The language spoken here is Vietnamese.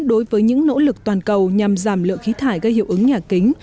đối với những nỗ lực toàn cầu nhằm giảm lượng khí thải gây hiệu ứng nhà kính